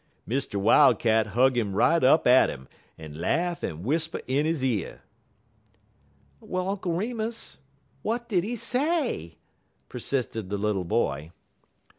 Mr. Wildcat hug 'im right up at 'im, en laugh en w'isper in he year." "Well, Uncle Remus, what did he say?" persisted the little boy.